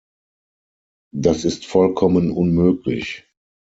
Das ist vollkommen unmöglich.